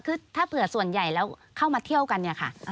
คือถ้าเผื่อส่วนใหญ่แล้วเข้ามาเที่ยวกันเนี่ยค่ะ